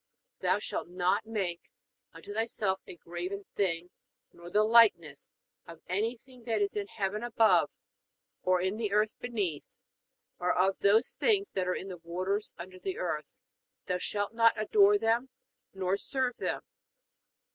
Thou shalt not make to thyself a graven thing, nor the likeness of anything that is in heaven above, or in the earth beneath, nor of those things that are in the waters under the earth. Thou shalt not adore them, nor serve them.